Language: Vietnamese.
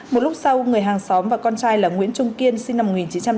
một lúc sau người hàng xóm và con trai là nguyễn trung kiên sinh năm một nghìn chín trăm tám mươi